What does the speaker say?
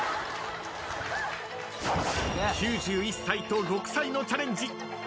９１歳と６歳のチャレンジ。